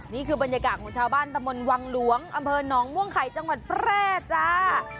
นี่คือบรรยากาศของชาวบ้านตะมนต์วังหลวงอำเภอหนองม่วงไข่จังหวัดแพร่จ้า